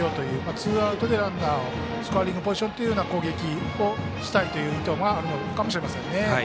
ツーアウトでスコアリングポジションという攻撃をしたいという意図があるのかもしれませんね。